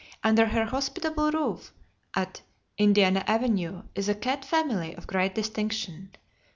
Under her hospitable roof at 2825 Indiana Avenue is a cat family of great distinction.